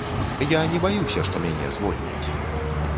Я не баюся, што мяне звольняць.